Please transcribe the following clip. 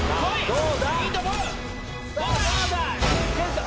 どうだ